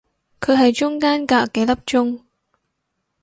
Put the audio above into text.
佢係中間隔幾粒鐘